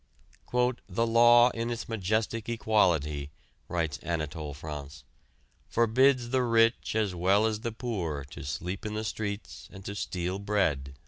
"The law in its majestic equality," writes Anatole France, "forbids the rich as well as the poor to sleep in the streets and to steal bread."